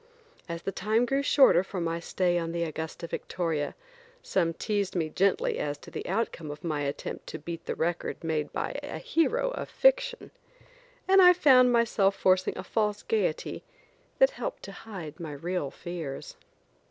As the time grew shorter for my stay on the Augusta Victoria, some teased me gently as to the outcome of my attempt to beat the record made by a hero of fiction, and I found myself forcing a false gaiety that helped to hide my real fears.